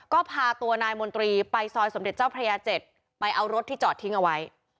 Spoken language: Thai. ก็พาตัวนายมนตรีไปซอยสมเด็จเจ้าพระยา๗ไปเอารถที่จอดทิ้งเอาไว้